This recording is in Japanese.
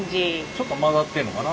ちょっと混ざってんのかな？